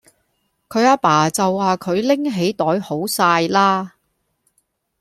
佢阿爸就話佢拎起袋好哂喇